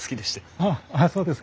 ああそうですか。